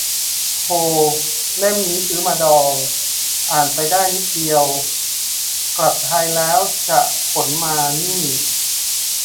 โฮ เล่มนี้ซื้อมาดอง อ่านไปได้นิดเดียว กลับไทยแล้วจะขนมานี่